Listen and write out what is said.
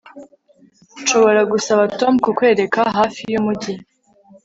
Nshobora gusaba Tom kukwereka hafi yumujyi